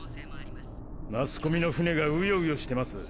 マスコミの船がうようよしてます。